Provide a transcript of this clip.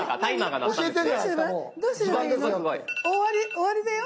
終わりだよ。